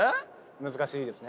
難しいですね。